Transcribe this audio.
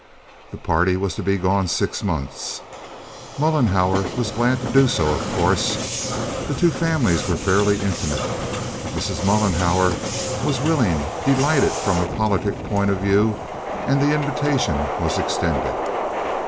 The party was to be gone six months. Mollenhauer was glad to do so, of course. The two families were fairly intimate. Mrs. Mollenhauer was willing—delighted from a politic point of view—and the invitation was extended.